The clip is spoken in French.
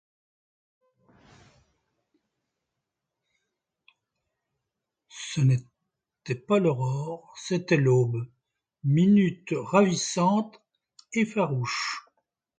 Ce n’était pas l’aurore, c’était l’aube ; minute ravissante et farouche.